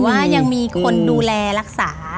ว่ายังมีคนดูแลรักษา